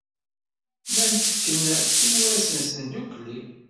Llan ttekken imuras-nsen ddukkli.